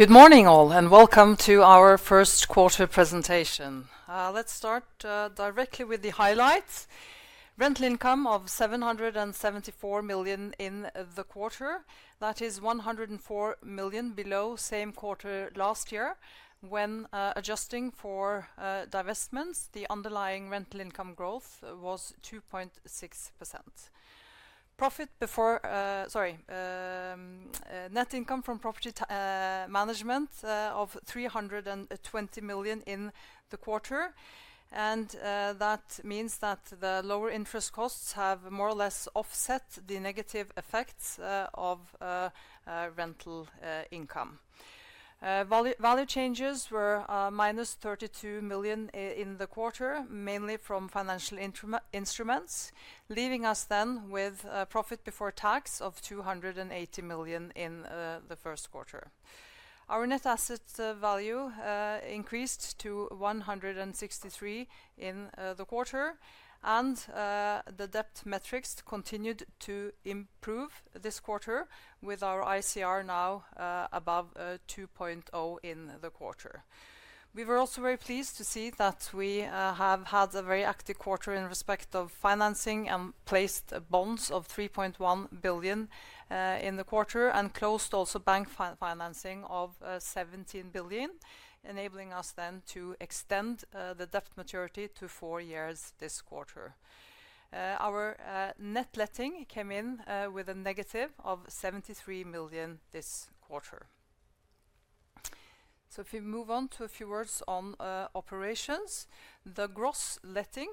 Good morning, all, and welcome to our first quarter presentation. Let's start directly with the highlights: rental income of 774 million in the quarter. That is 104 million below same quarter last year. When adjusting for divestments, the underlying rental income growth was 2.6%. Profit before—sorry—net income from property management of 320 million in the quarter. That means that the lower interest costs have more or less offset the negative effects of rental income. Value changes were -32 million in the quarter, mainly from financial instruments, leaving us then with profit before tax of 280 million in the first quarter. Our net asset value increased to 163 in the quarter, and the debt metrics continued to improve this quarter, with our ICR now above 2.0x in the quarter. We were also very pleased to see that we have had a very active quarter in respect of financing and placed bonds of 3.1 billion in the quarter, and closed also bank financing of 1.7 billion, enabling us then to extend the debt maturity to four years this quarter. Our net letting came in with a negative of 73 million this quarter. If we move on to a few words on operations, the gross letting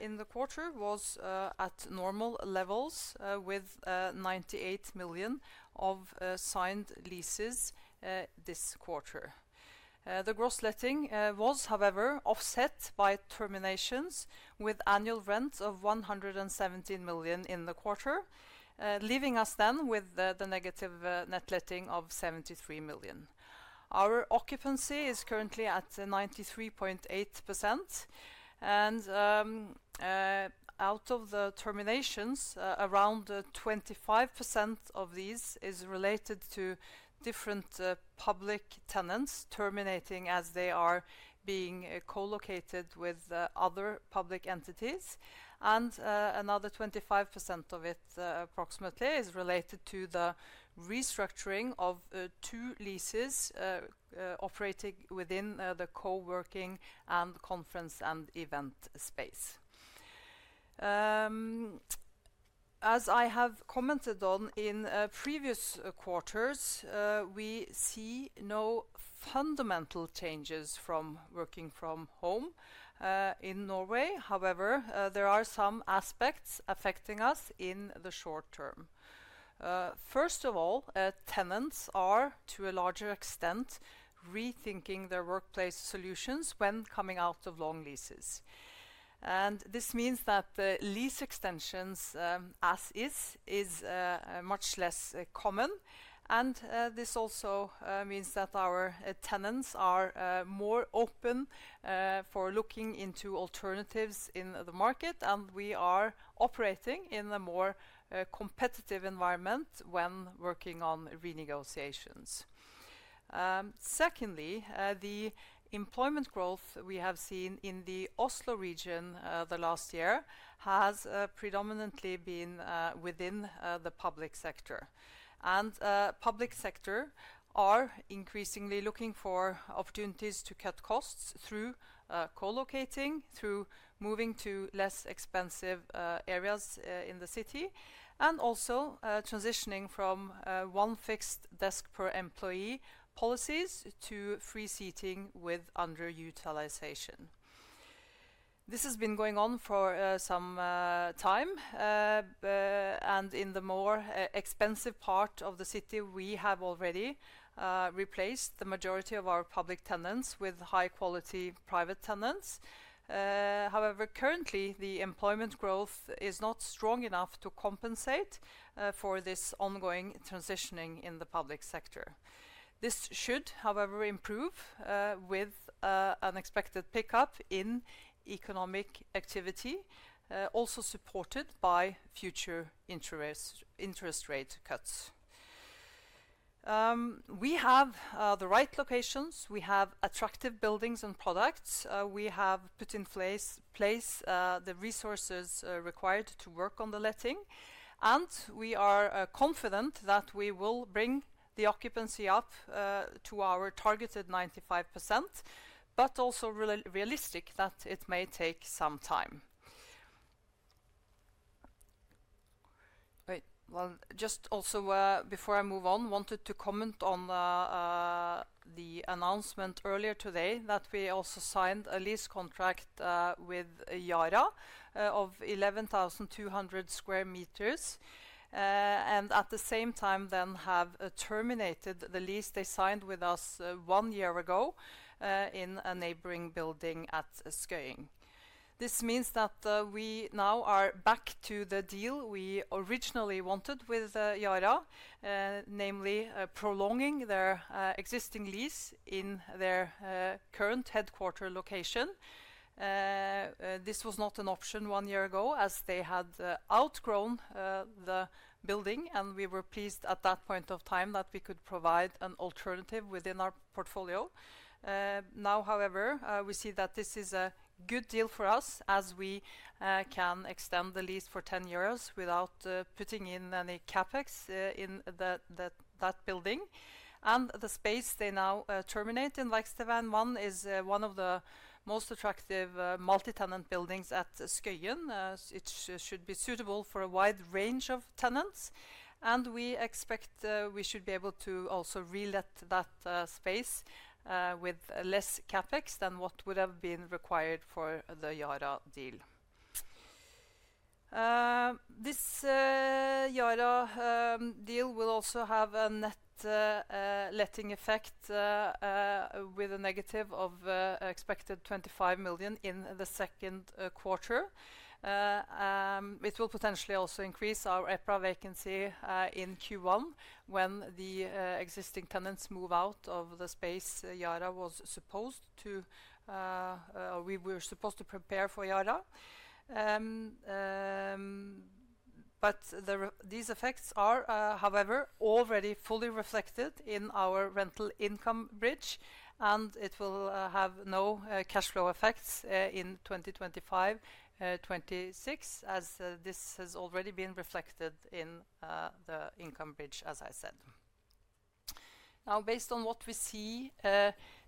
in the quarter was at normal levels, with 98 million of signed leases this quarter. The gross letting was, however, offset by terminations, with annual rents of 117 million in the quarter, leaving us then with the negative net letting of 73 million. Our occupancy is currently at 93.8%, and out of the terminations, around 25% of these is related to different public tenants terminating as they are being co-located with other public entities, and another 25% of it approximately is related to the restructuring of two leases operating within the co-working and conference and event space. As I have commented on in previous quarters, we see no fundamental changes from working from home in Norway. However, there are some aspects affecting us in the short term. First of all, tenants are, to a larger extent, rethinking their workplace solutions when coming out of long leases. This means that lease extensions as is is much less common, and this also means that our tenants are more open for looking into alternatives in the market, and we are operating in a more competitive environment when working on renegotiations. Secondly, the employment growth we have seen in the Oslo region the last year has predominantly been within the public sector. Public sector are increasingly looking for opportunities to cut costs through co-locating, through moving to less expensive areas in the city, and also transitioning from one fixed desk per employee policies to free seating with underutilization. This has been going on for some time, and in the more expensive part of the city, we have already replaced the majority of our public tenants with high-quality private tenants. However, currently, the employment growth is not strong enough to compensate for this ongoing transitioning in the public sector. This should, however, improve with an expected pickup in economic activity, also supported by future interest rate cuts. We have the right locations, we have attractive buildings and products, we have put in place the resources required to work on the letting, and we are confident that we will bring the occupancy up to our targeted 95%, but also realistic that it may take some time. Just also, before I move on, I wanted to comment on the announcement earlier today that we also signed a lease contract with Yara of 11,200 sq m, and at the same time then have terminated the lease they signed with us one year ago in a neighboring building at Skøyen. This means that we now are back to the deal we originally wanted with Yara, namely prolonging their existing lease in their current headquarter location. This was not an option one year ago as they had outgrown the building, and we were pleased at that point of time that we could provide an alternative within our portfolio. Now, however, we see that this is a good deal for us as we can extend the lease for NOK 10 million without putting in any CapEx in that building. The space they now terminate in Skøyen Atrium is one of the most attractive multi-tenant buildings at Skøyen. It should be suitable for a wide range of tenants, and we expect we should be able to also relet that space with less CapEx than what would have been required for the Yara deal. This Yara deal will also have a net letting effect with a negative of expected 25 million in the second quarter. It will potentially also increase our EPRA vacancy in Q1 when the existing tenants move out of the space Yara was supposed to—we were supposed to prepare for Yara. These effects are, however, already fully reflected in our rental income bridge, and it will have no cash flow effects in 2025-2026, as this has already been reflected in the income bridge, as I said. Now, based on what we see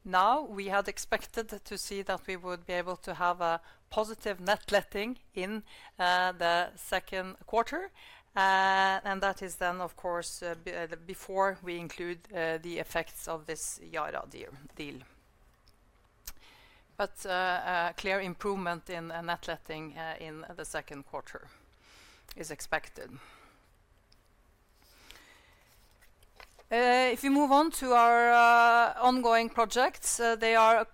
now, we had expected to see that we would be able to have a positive net letting in the second quarter, and that is then, of course, before we include the effects of this Yara deal. Clear improvement in net letting in the second quarter is expected. If we move on to our ongoing projects, they are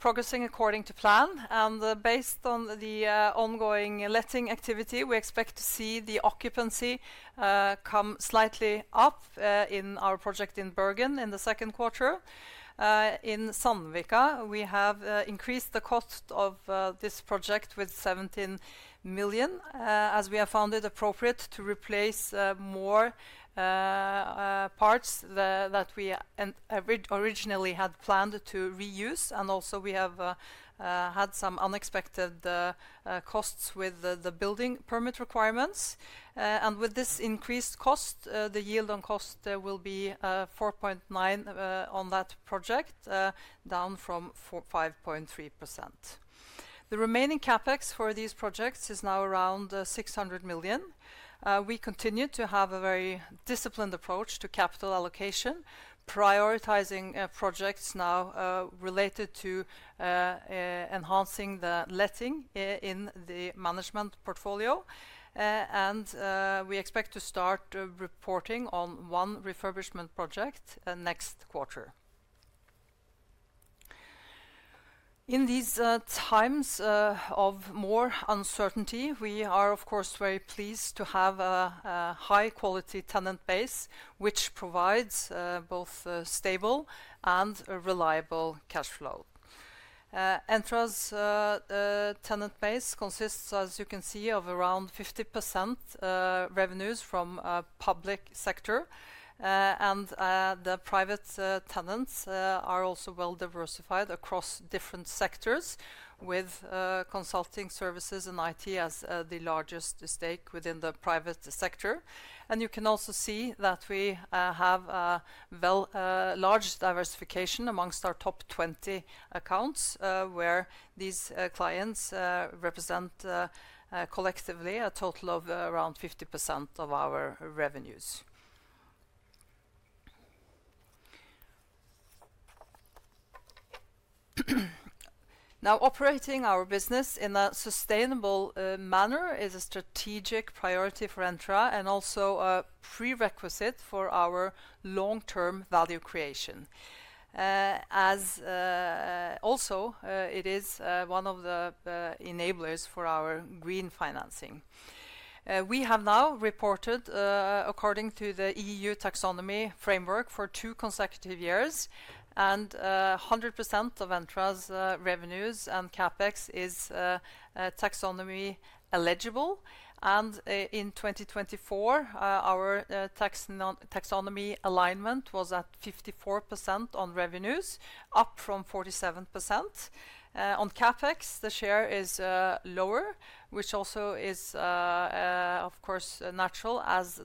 progressing according to plan, and based on the ongoing letting activity, we expect to see the occupancy come slightly up in our project in Bergen in the second quarter. In Sandvika, we have increased the cost of this project with 17 million, as we have found it appropriate to replace more parts that we originally had planned to reuse, and also we have had some unexpected costs with the building permit requirements. With this increased cost, the yield on cost will be 4.9% on that project, down from 5.3%. The remaining CapEx for these projects is now around 600 million. We continue to have a very disciplined approach to capital allocation, prioritizing projects now related to enhancing the letting in the management portfolio, and we expect to start reporting on one refurbishment project next quarter. In these times of more uncertainty, we are, of course, very pleased to have a high-quality tenant base, which provides both stable and reliable cash flow. Entra's tenant base consists, as you can see, of around 50% revenues from public sector, and the private tenants are also well diversified across different sectors, with consulting services and IT as the largest stake within the private sector. You can also see that we have a large diversification amongst our top 20 accounts, where these clients represent collectively a total of around 50% of our revenues. Now, operating our business in a sustainable manner is a strategic priority for Entra and also a prerequisite for our long-term value creation, as also it is one of the enablers for our green financing. We have now reported according to the E.U. taxonomy framework for two consecutive years, and 100% of Entra's revenues and CapEx is taxonomy eligible. In 2024, our taxonomy alignment was at 54% on revenues, up from 47%. On CapEx, the share is lower, which also is, of course, natural as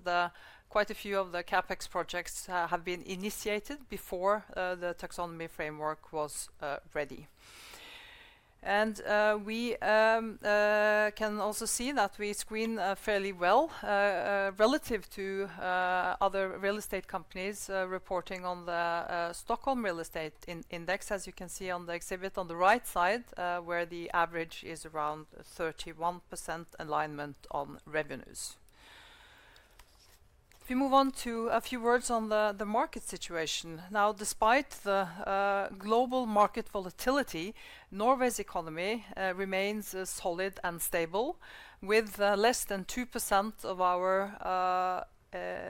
quite a few of the CapEx projects have been initiated before the taxonomy framework was ready. We can also see that we screen fairly well relative to other real estate companies reporting on the Stockholm Real Estate Index, as you can see on the exhibit on the right side, where the average is around 31% alignment on revenues. If we move on to a few words on the market situation. Now, despite the global market volatility, Norway's economy remains solid and stable. With less than 2% of our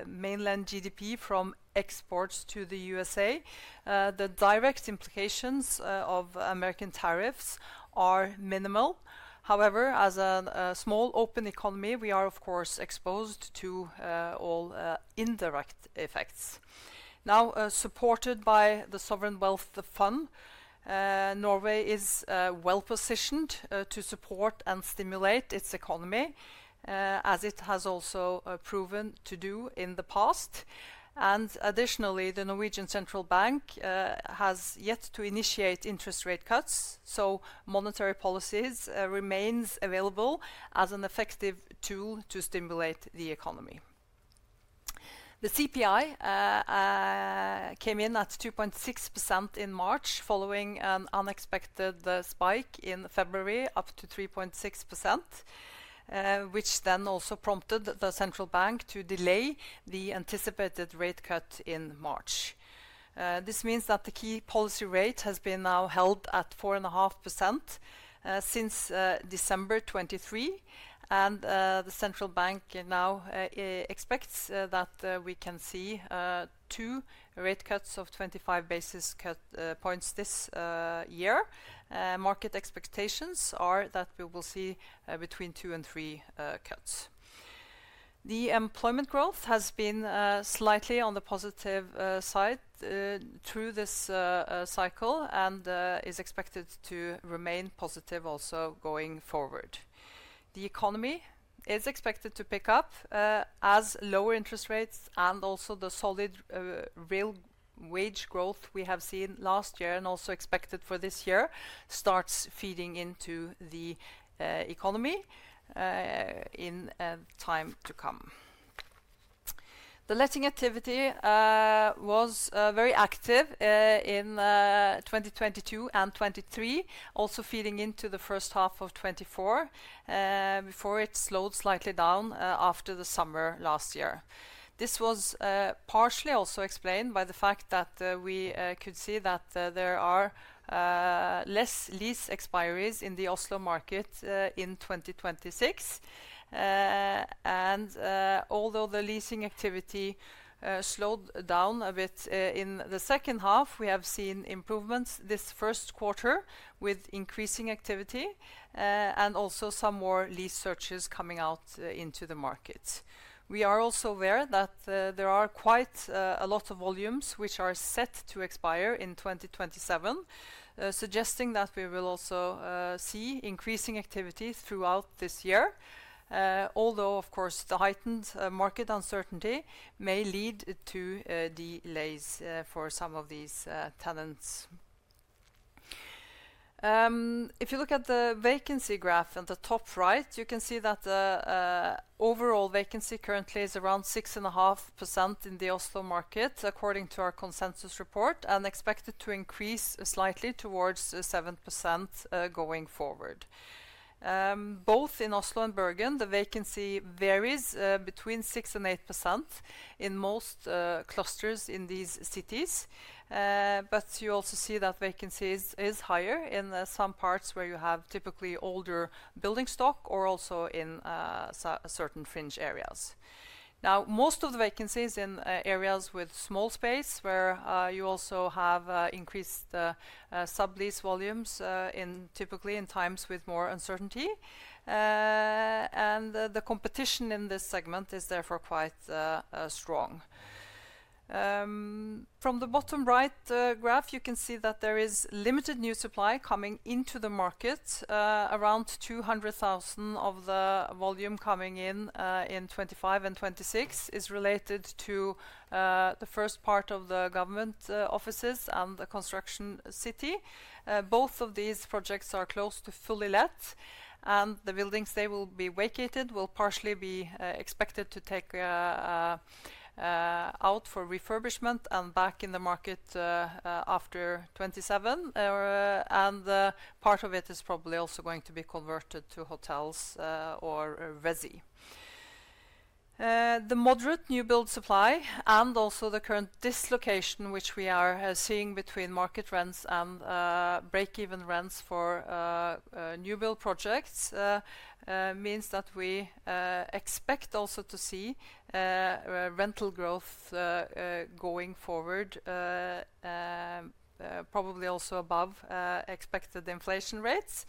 mainland GDP from exports to the U.S.A., the direct implications of American tariffs are minimal. However, as a small open economy, we are, of course, exposed to all indirect effects. Now, supported by the Sovereign Wealth Fund, Norway is well positioned to support and stimulate its economy, as it has also proven to do in the past. Additionally, the Norwegian Central Bank has yet to initiate interest rate cuts, so monetary policies remain available as an effective tool to stimulate the economy. The CPI came in at 2.6% in March, following an unexpected spike in February up to 3.6%, which then also prompted the central bank to delay the anticipated rate cut in March. This means that the key policy rate has been now held at 4.5% since December 2023, and the central bank now expects that we can see two rate cuts of 25 basis points this year. Market expectations are that we will see between two and three cuts. The employment growth has been slightly on the positive side through this cycle and is expected to remain positive also going forward. The economy is expected to pick up as lower interest rates and also the solid real wage growth we have seen last year and also expected for this year starts feeding into the economy in time to come. The letting activity was very active in 2022 and 2023, also feeding into the first half of 2024 before it slowed slightly down after the summer last year. This was partially also explained by the fact that we could see that there are less lease expiries in the Oslo market in 2026. Although the leasing activity slowed down a bit in the second half, we have seen improvements this first quarter with increasing activity and also some more lease searches coming out into the market. We are also aware that there are quite a lot of volumes which are set to expire in 2027, suggesting that we will also see increasing activity throughout this year, although, of course, the heightened market uncertainty may lead to delays for some of these tenants. If you look at the vacancy graph at the top right, you can see that the overall vacancy currently is around 6.5% in the Oslo market, according to our consensus report, and expected to increase slightly towards 7% going forward. Both in Oslo and Bergen, the vacancy varies between 6% and 8% in most clusters in these cities, but you also see that vacancy is higher in some parts where you have typically older building stock or also in certain fringe areas. Now, most of the vacancies in areas with small space where you also have increased sub-lease volumes typically in times with more uncertainty, and the competition in this segment is therefore quite strong. From the bottom right graph, you can see that there is limited new supply coming into the market. Around 200,000 of the volume coming in in 2025 and 2026 is related to the first part of the government offices and the Construction City. Both of these projects are close to fully let, and the buildings they will be vacated will partially be expected to take out for refurbishment and back in the market after 2027, and part of it is probably also going to be converted to hotels or resi. The moderate new build supply and also the current dislocation which we are seeing between market rents and break-even rents for new build projects means that we expect also to see rental growth going forward, probably also above expected inflation rates.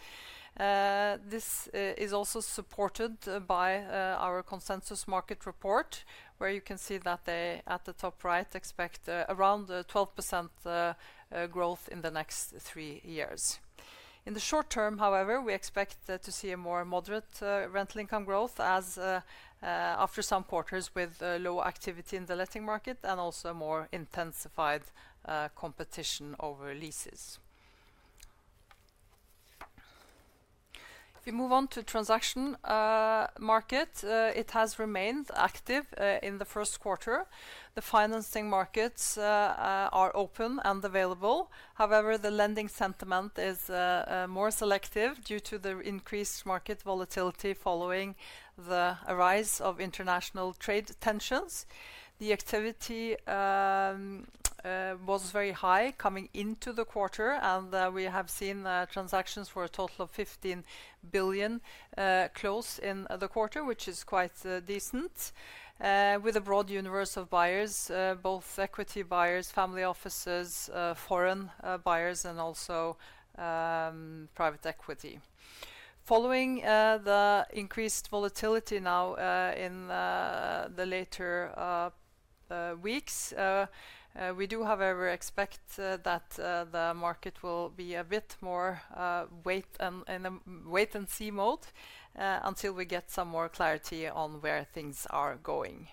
This is also supported by our consensus market report, where you can see that they at the top right expect around 12% growth in the next three years. In the short term, however, we expect to see a more moderate rental income growth after some quarters with low activity in the letting market and also more intensified competition over leases. If we move on to the transaction market, it has remained active in the first quarter. The financing markets are open and available. However, the lending sentiment is more selective due to the increased market volatility following the rise of international trade tensions. The activity was very high coming into the quarter, and we have seen transactions for a total of 15 billion close in the quarter, which is quite decent, with a broad universe of buyers, both equity buyers, family offices, foreign buyers, and also private equity. Following the increased volatility now in the later weeks, we do, however, expect that the market will be a bit more wait-and-see mode until we get some more clarity on where things are going.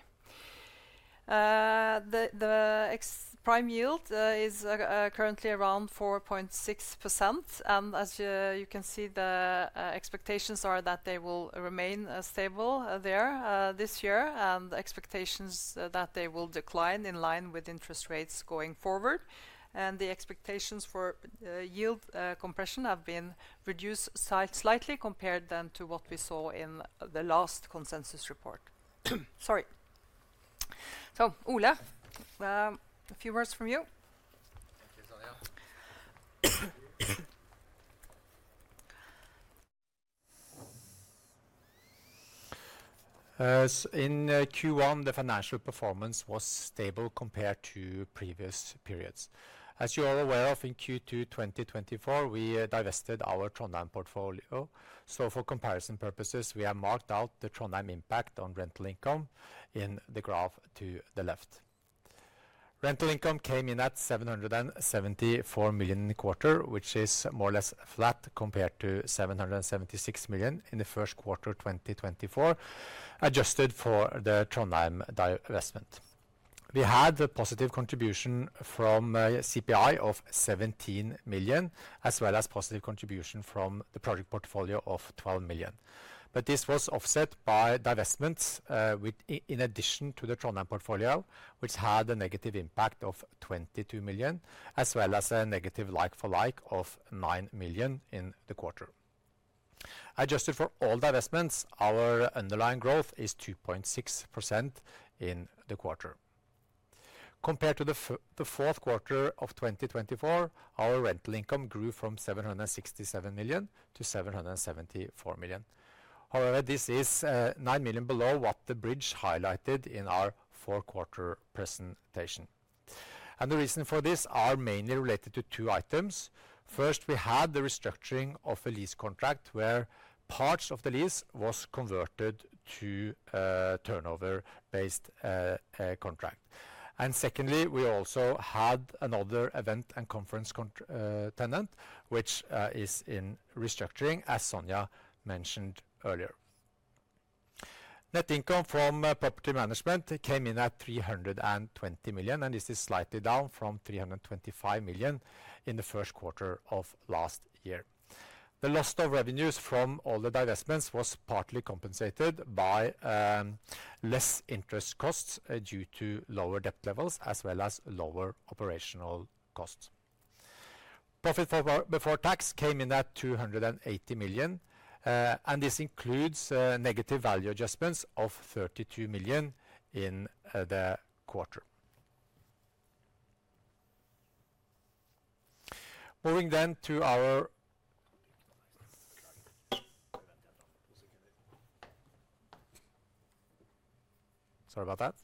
The prime yield is currently around 4.6%, and as you can see, the expectations are that they will remain stable there this year, and expectations that they will decline in line with interest rates going forward. The expectations for yield compression have been reduced slightly compared to what we saw in the last consensus report. Sorry. Ole, a few words from you. Thank you, Sonja. In Q1, the financial performance was stable compared to previous periods. As you are aware of, in Q2 2024, we divested our Trondheim portfolio. For comparison purposes, we have marked out the Trondheim impact on rental income in the graph to the left. Rental income came in at 774 million in the quarter, which is more or less flat compared to 776 million in the first quarter 2024, adjusted for the Trondheim divestment. We had a positive contribution from CPI of 17 million, as well as a positive contribution from the project portfolio of 12 million. This was offset by divestments in addition to the Trondheim portfolio, which had a negative impact of 22 million, as well as a negative like-for-like of 9 million in the quarter. Adjusted for all divestments, our underlying growth is 2.6% in the quarter. Compared to the fourth quarter of 2024, our rental income grew from 767 million to 774 million. However, this is 9 million below what the bridge highlighted in our four-quarter presentation. The reason for this is mainly related to two items. First, we had the restructuring of a lease contract, where parts of the lease were converted to a turnover-based contract. Secondly, we also had another event and conference tenant, which is in restructuring, as Sonja mentioned earlier. Net income from property management came in at 320 million, and this is slightly down from 325 million in the first quarter of last year. The loss of revenues from all the divestments was partly compensated by less interest costs due to lower debt levels, as well as lower operational costs. Profit before tax came in at 280 million, and this includes negative value adjustments of 32 million in the quarter. Moving then to our—sorry about that.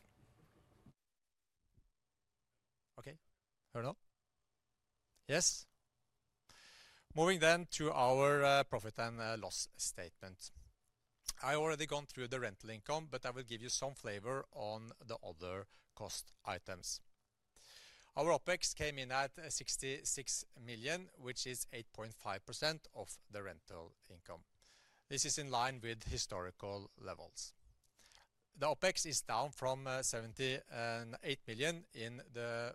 Okay, heard on? Yes? Moving then to our profit and loss statement. I already gone through the rental income, but I will give you some flavor on the other cost items. Our OpEx came in at 66 million, which is 8.5% of the rental income. This is in line with historical levels. The OpEx is down from 78 million in the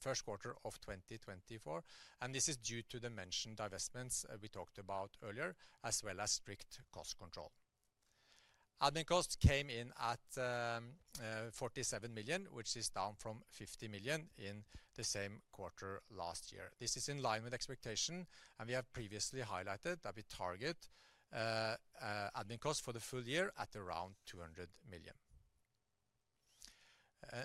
first quarter of 2024, and this is due to the mentioned divestments we talked about earlier, as well as strict cost control. Admin costs came in at 47 million, which is down from 50 million in the same quarter last year. This is in line with expectation, and we have previously highlighted that we target admin costs for the full year at around 200 million.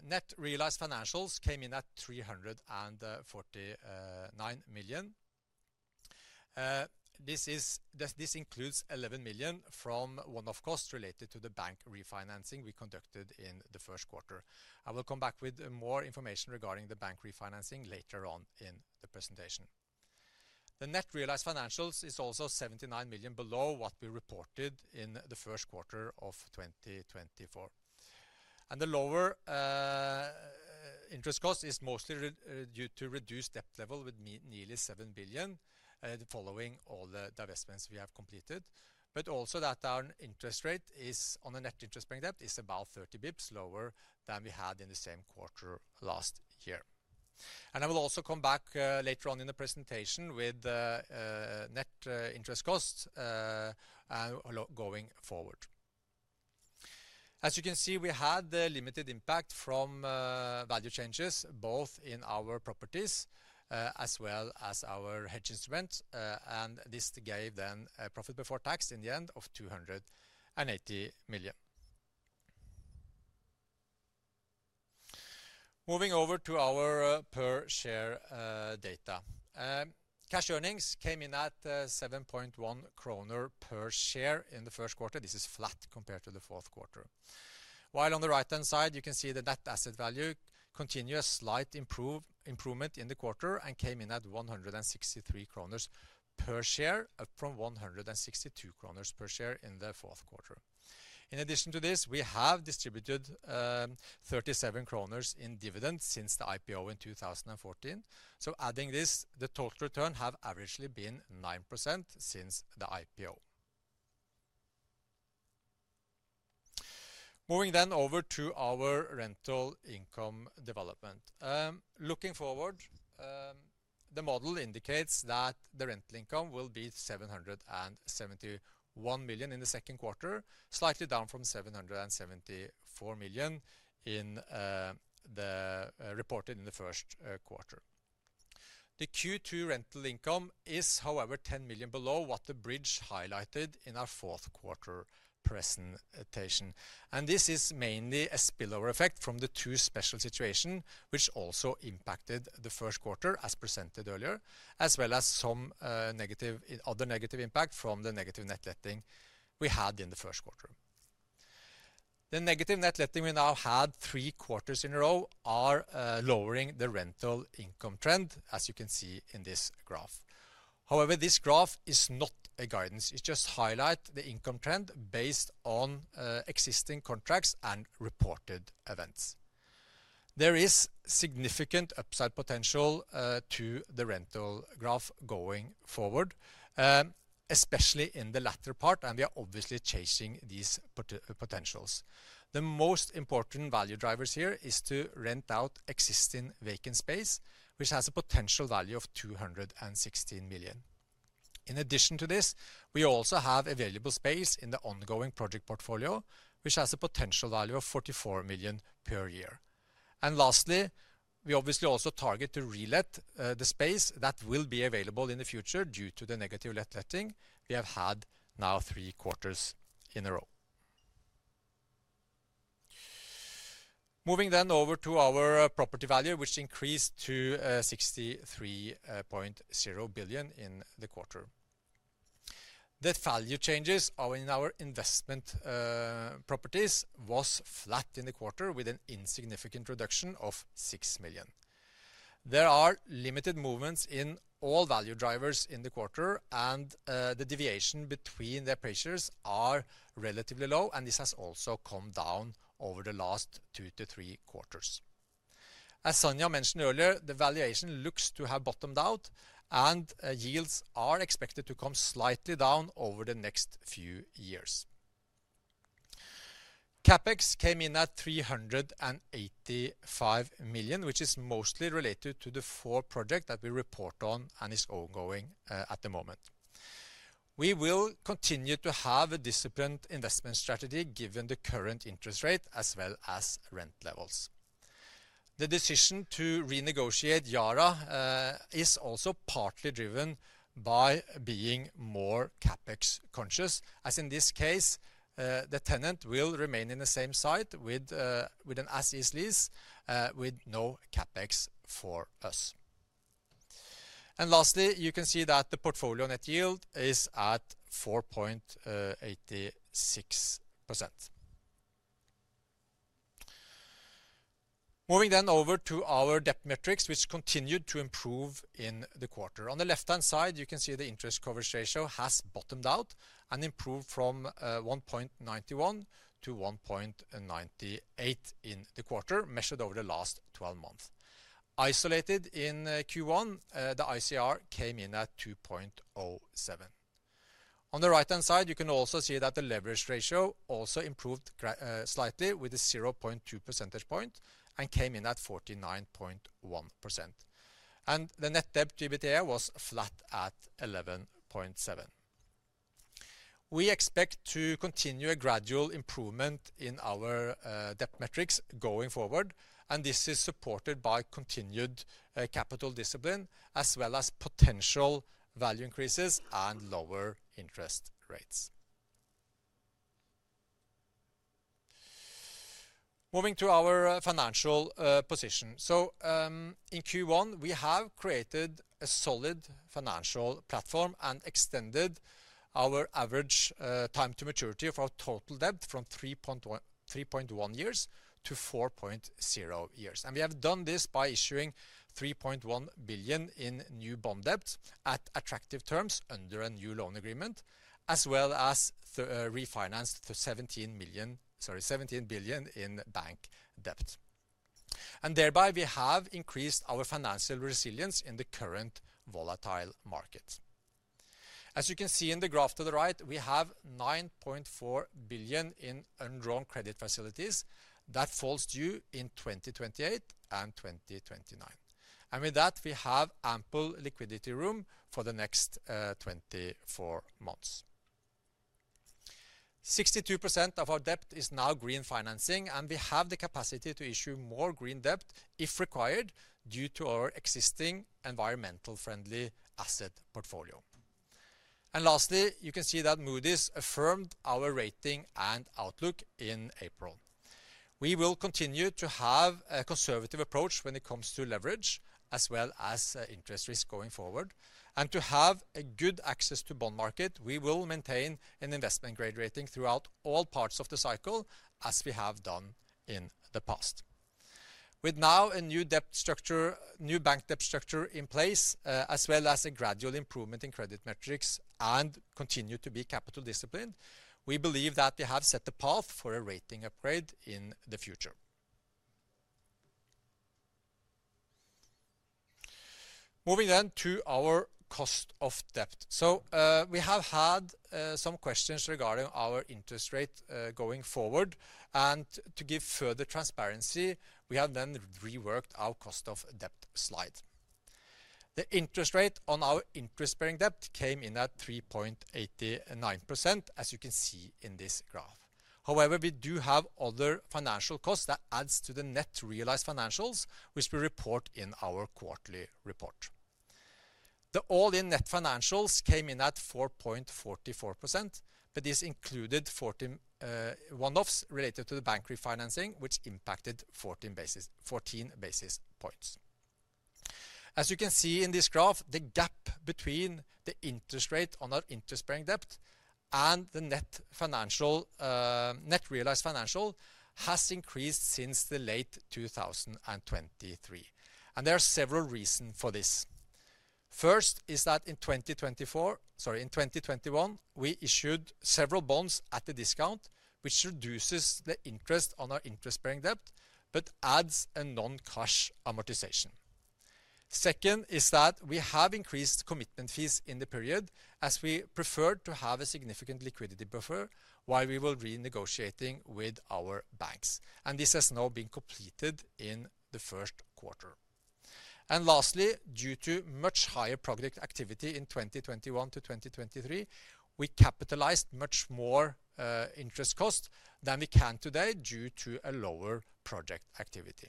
Net realized financials came in at 349 million. This includes 11 million from one-off costs related to the bank refinancing we conducted in the first quarter. I will come back with more information regarding the bank refinancing later on in the presentation. The net realized financials is also 79 million below what we reported in the first quarter of 2024. The lower interest cost is mostly due to reduced debt level with nearly 7 billion following all the divestments we have completed. Also, our interest rate on net interest bank debt is about 30 bps lower than we had in the same quarter last year. I will also come back later on in the presentation with the net interest costs going forward. As you can see, we had limited impact from value changes both in our properties as well as our hedge instruments, and this gave then a profit before tax in the end of 280 million. Moving over to our per-share data. Cash earnings came in at 7.1 kroner per share in the first quarter. This is flat compared to the fourth quarter. While on the right-hand side, you can see the net asset value continued a slight improvement in the quarter and came in at 163 kroner per share from 162 kroner per share in the fourth quarter. In addition to this, we have distributed 37 kroner in dividends since the IPO in 2014. Adding this, the total return has averagely been 9% since the IPO. Moving then over to our rental income development. Looking forward, the model indicates that the rental income will be 771 million in the second quarter, slightly down from 774 million reported in the first quarter. The Q2 rental income is, however, 10 million below what the bridge highlighted in our fourth quarter presentation. This is mainly a spillover effect from the two special situations, which also impacted the first quarter, as presented earlier, as well as some other negative impact from the negative net letting we had in the first quarter. The negative net letting we now had three quarters in a row is lowering the rental income trend, as you can see in this graph. However, this graph is not a guidance. It just highlights the income trend based on existing contracts and reported events. There is significant upside potential to the rental graph going forward, especially in the latter part, and we are obviously chasing these potentials. The most important value drivers here are to rent out existing vacant space, which has a potential value of 216 million. In addition to this, we also have available space in the ongoing project portfolio, which has a potential value of 44 million per year. Lastly, we obviously also target to relet the space that will be available in the future due to the negative net letting we have had now three quarters in a row. Moving then over to our property value, which increased to 63.0 billion in the quarter. The value changes in our investment properties were flat in the quarter, with an insignificant reduction of 6 million. There are limited movements in all value drivers in the quarter, and the deviation between their pressures is relatively low, and this has also come down over the last two to three quarters. As Sonja mentioned earlier, the valuation looks to have bottomed out, and yields are expected to come slightly down over the next few years. CapEx came in at 385 million, which is mostly related to the four projects that we report on and are ongoing at the moment. We will continue to have a disciplined investment strategy given the current interest rate as well as rent levels. The decision to renegotiate Yara is also partly driven by being more CapEx conscious, as in this case, the tenant will remain in the same site with an as-is lease with no CapEx for us. Lastly, you can see that the portfolio net yield is at 4.86%. Moving then over to our debt metrics, which continued to improve in the quarter. On the left-hand side, you can see the interest coverage ratio has bottomed out and improved from 1.91x to 1.98x in the quarter, measured over the last 12 months. Isolated in Q1, the ICR came in at 2.07x. On the right-hand side, you can also see that the leverage ratio also improved slightly with a 0.2 percentage point and came in at 49.1%. The net debt-to-EBITDA was flat at 11.7x. We expect to continue a gradual improvement in our debt metrics going forward, and this is supported by continued capital discipline as well as potential value increases and lower interest rates. Moving to our financial position. In Q1, we have created a solid financial platform and extended our average time to maturity of our total debt from 3.1 years to 4.0 years. We have done this by issuing 3.1 billion in new bond debt at attractive terms under a new loan agreement, as well as refinanced NOK 17 billion in bank debt. Thereby, we have increased our financial resilience in the current volatile market. As you can see in the graph to the right, we have 9.4 billion in undrawn credit facilities that falls due in 2028 and 2029. With that, we have ample liquidity room for the next 24 months. 62% of our debt is now green financing, and we have the capacity to issue more green debt if required due to our existing environmentally friendly asset portfolio. Lastly, you can see that Moody's affirmed our rating and outlook in April. We will continue to have a conservative approach when it comes to leverage, as well as interest rates going forward. To have good access to the bond market, we will maintain an investment-grade rating throughout all parts of the cycle, as we have done in the past. With now a new bank debt structure in place, as well as a gradual improvement in credit metrics and continued to be capital disciplined, we believe that we have set the path for a rating upgrade in the future. Moving then to our cost of debt. We have had some questions regarding our interest rate going forward. To give further transparency, we have then reworked our cost of debt slide. The interest rate on our interest-bearing debt came in at 3.89%, as you can see in this graph. However, we do have other financial costs that add to the net realized financials, which we report in our quarterly report. The all-in net financials came in at 4.44%, but this included one-offs related to the bank refinancing, which impacted 14 basis points. As you can see in this graph, the gap between the interest rate on our interest-bearing debt and the net realized financial has increased since late 2023. There are several reasons for this. First is that in 2021, we issued several bonds at a discount, which reduces the interest on our interest-bearing debt, but adds a non-cash amortization. Second is that we have increased commitment fees in the period, as we preferred to have a significant liquidity buffer while we were renegotiating with our banks. This has now been completed in the first quarter. Lastly, due to much higher project activity in 2021-2023, we capitalized much more interest cost than we can today due to a lower project activity.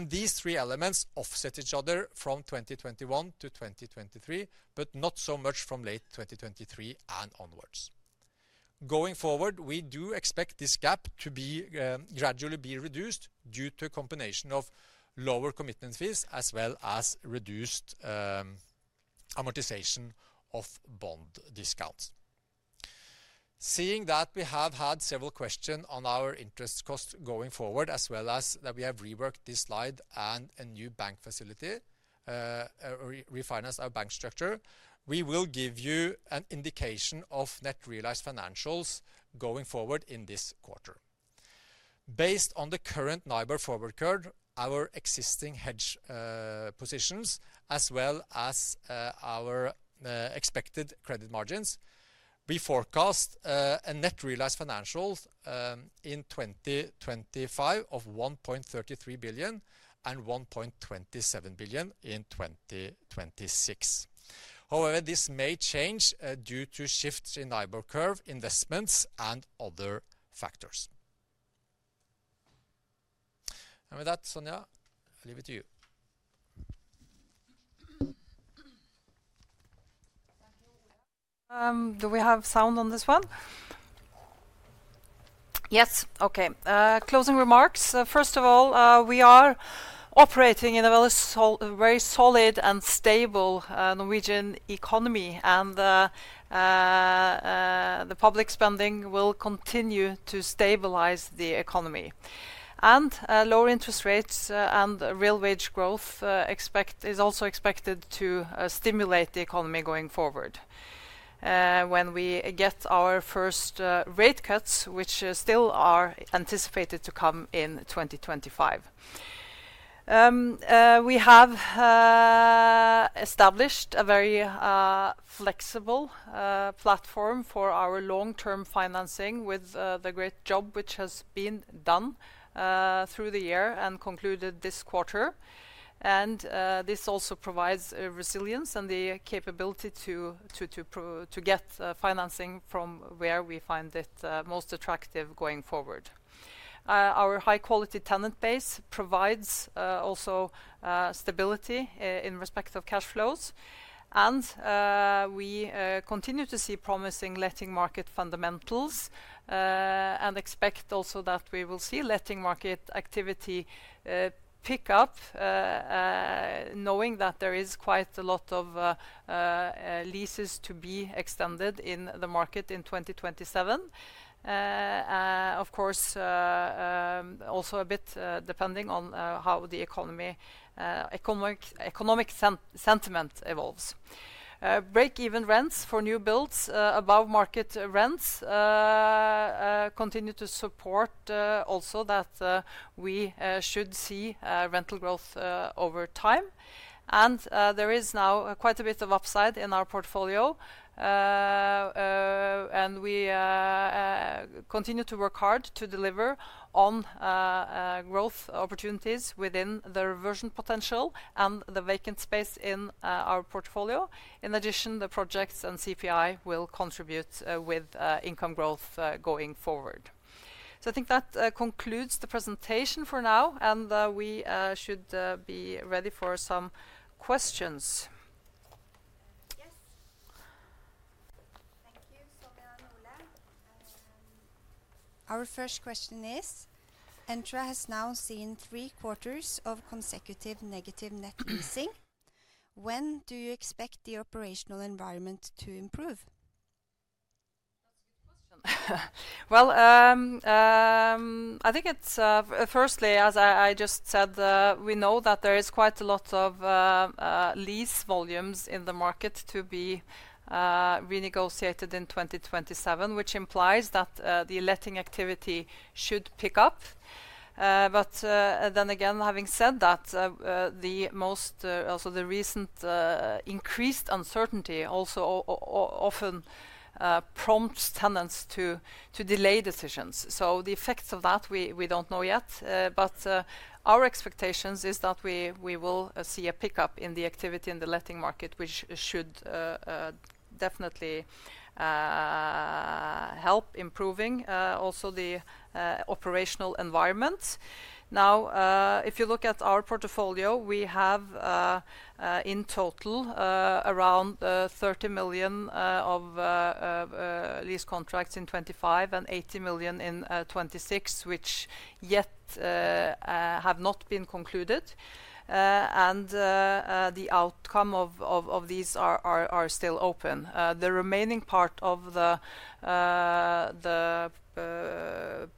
These three elements offset each other from 2021-2023, but not so much from late 2023 and onwards. Going forward, we do expect this gap to gradually be reduced due to a combination of lower commitment fees as well as reduced amortization of bond discounts. Seeing that we have had several questions on our interest costs going forward, as well as that we have reworked this slide and a new bank facility, refinanced our bank structure, we will give you an indication of net realized financials going forward in this quarter. Based on the current NIBOR forward curve, our existing hedge positions, as well as our expected credit margins, we forecast a net realized financials in 2025 of 1.33 billion and 1.27 billion in 2026. However, this may change due to shifts in NIBOR curve, investments, and other factors. With that, Sonja, I leave it to you. Do we have sound on this one? Yes. Okay. Closing remarks. First of all, we are operating in a very solid and stable Norwegian economy, and the public spending will continue to stabilize the economy. Lower interest rates and real wage growth is also expected to stimulate the economy going forward when we get our first rate cuts, which still are anticipated to come in 2025. We have established a very flexible platform for our long-term financing with the great job which has been done through the year and concluded this quarter. This also provides resilience and the capability to get financing from where we find it most attractive going forward. Our high-quality tenant base provides also stability in respect of cash flows. We continue to see promising letting market fundamentals and expect also that we will see letting market activity pick up, knowing that there is quite a lot of leases to be extended in the market in 2027. Of course, also a bit depending on how the economic sentiment evolves. Break-even rents for new builds above market rents continue to support also that we should see rental growth over time. There is now quite a bit of upside in our portfolio. We continue to work hard to deliver on growth opportunities within the reversion potential and the vacant space in our portfolio. In addition, the projects and CPI will contribute with income growth going forward. I think that concludes the presentation for now, and we should be ready for some questions. Yes. Thank you, Sonja and Ole. Our first question is, Entra has now seen three quarters of consecutive negative net leasing. When do you expect the operational environment to improve? That's a good question. I think it's firstly, as I just said, we know that there is quite a lot of lease volumes in the market to be renegotiated in 2027, which implies that the letting activity should pick up. Having said that, the most, also the recent increased uncertainty also often prompts tenants to delay decisions. The effects of that, we don't know yet. Our expectation is that we will see a pickup in the activity in the letting market, which should definitely help improving also the operational environment. Now, if you look at our portfolio, we have in total around 30 million of lease contracts in 2025 and 80 million in 2026, which yet have not been concluded. The outcome of these are still open. The remaining part of the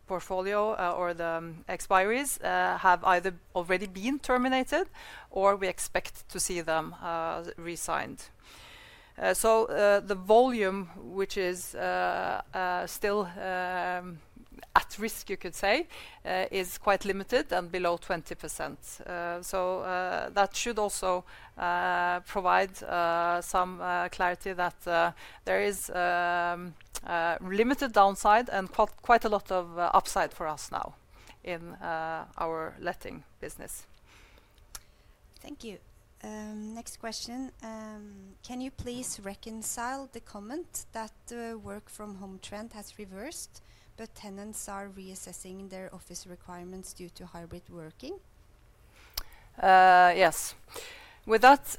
portfolio or the expiries have either already been terminated or we expect to see them re-signed. The volume, which is still at risk, you could say, is quite limited and below 20%. That should also provide some clarity that there is limited downside and quite a lot of upside for us now in our letting business. Thank you. Next question. Can you please reconcile the comment that the work from home trend has reversed, but tenants are reassessing their office requirements due to hybrid working? Yes. With that,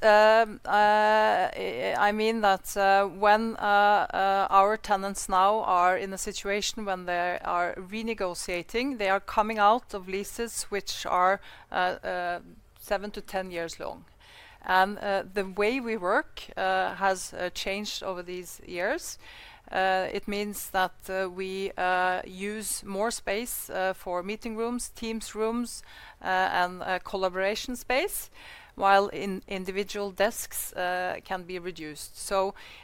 I mean that when our tenants now are in a situation when they are renegotiating, they are coming out of leases which are 7-10 years long. The way we work has changed over these years. It means that we use more space for meeting rooms, Teams rooms, and collaboration space, while individual desks can be reduced.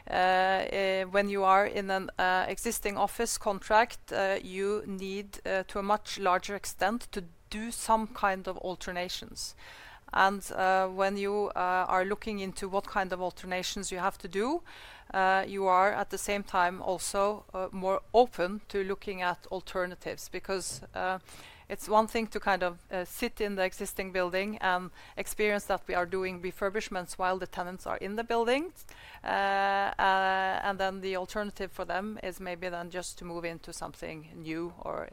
When you are in an existing office contract, you need to a much larger extent to do some kind of alternations. When you are looking into what kind of alternations you have to do, you are at the same time also more open to looking at alternatives because it is one thing to kind of sit in the existing building and experience that we are doing refurbishments while the tenants are in the building. The alternative for them is maybe then just to move into something new or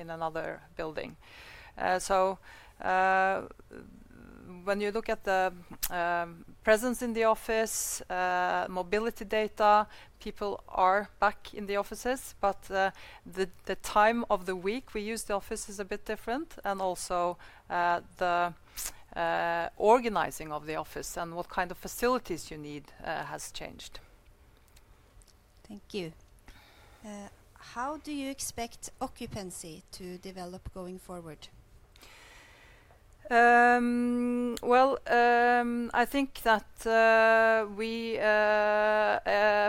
in another building. When you look at the presence in the office, mobility data, people are back in the offices, but the time of the week we use the office is a bit different. The organizing of the office and what kind of facilities you need has changed. Thank you. How do you expect occupancy to develop going forward? I think that we,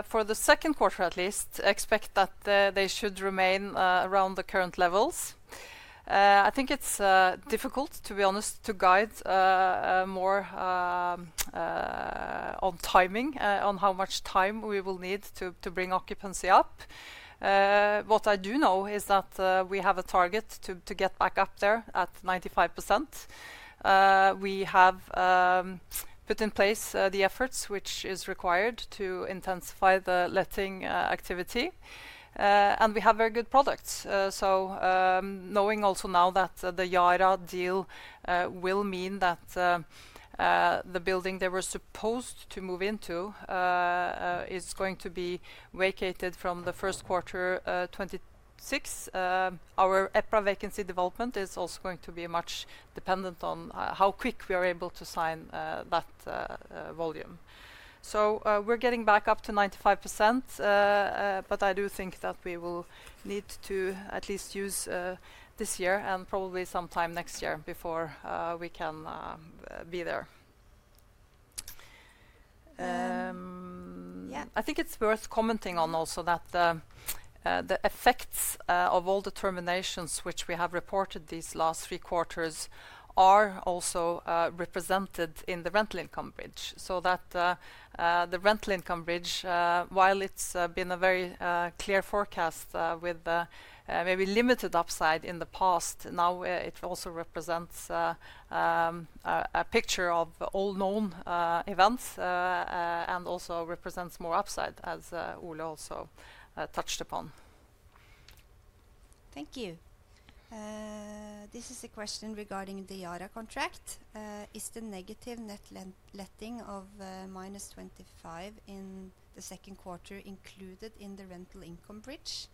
for the second quarter at least, expect that they should remain around the current levels. I think it is difficult, to be honest, to guide more on timing, on how much time we will need to bring occupancy up. What I do know is that we have a target to get back up there at 95%. We have put in place the efforts which are required to intensify the letting activity. We have very good products. Knowing also now that the Yara deal will mean that the building they were supposed to move into is going to be vacated from the first quarter 2026, our EPRA vacancy development is also going to be much dependent on how quick we are able to sign that volume. We are getting back up to 95%, but I do think that we will need to at least use this year and probably sometime next year before we can be there. I think it is worth commenting on also that the effects of all the terminations which we have reported these last three quarters are also represented in the rental income bridge. The rental income bridge, while it has been a very clear forecast with maybe limited upside in the past, now also represents a picture of all known events and also represents more upside, as Ole also touched upon. Thank you. This is a question regarding the Yara contract. Is the negative net letting of -25 million in the second quarter included in the rental income bridge?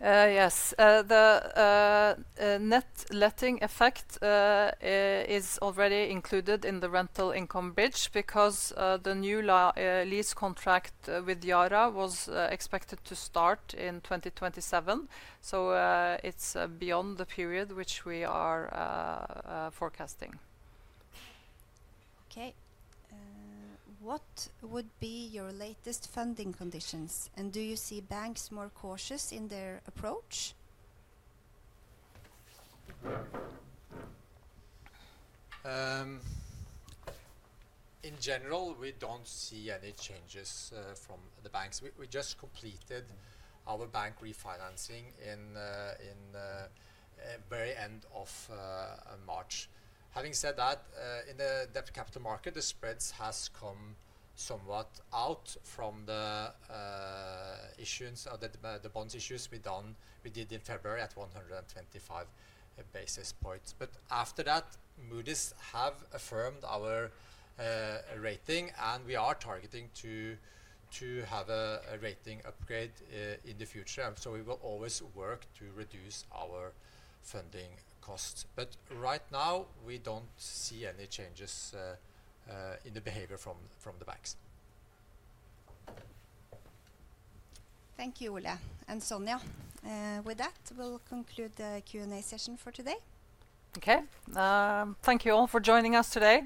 Yes. The net letting effect is already included in the rental income bridge because the new lease contract with Yara was expected to start in 2027. It is beyond the period which we are forecasting. Okay. What would be your latest funding conditions? And do you see banks more cautious in their approach? In general, we do not see any changes from the banks. We just completed our bank refinancing in the very end of March. Having said that, in the debt capital market, the spreads have come somewhat out from the issuance of the bonds issues we did in February at 125 basis points. After that, Moody's has affirmed our rating, and we are targeting to have a rating upgrade in the future. We will always work to reduce our funding costs. Right now, we do not see any changes in the behavior from the banks. Thank you, Ole. Sonja, with that, we will conclude the Q&A session for today. Thank you all for joining us today.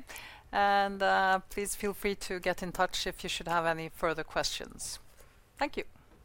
Please feel free to get in touch if you should have any further questions. Thank you.